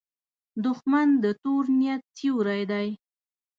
دښمن د تور نیت سیوری دی